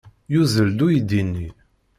Yuzzel-d uydi-nni.